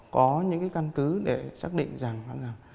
có những cái căn cứ để xác định rằng